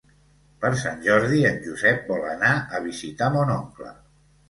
Per Sant Jordi en Josep vol anar a visitar mon oncle.